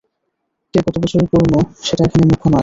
কে কত বছরের পুরোনো, সেটা এখানে মুখ্য নয়।